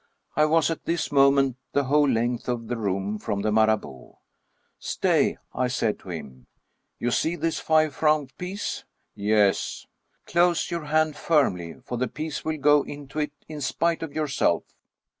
I was at this moment the whole length of the room from the Marabout. " Stay," I said to him ;" you see this five franc piece. "Yes." " Close your hand firmly, for the piece will go into it in spite of yourself."